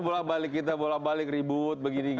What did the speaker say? bolak balik kita ribut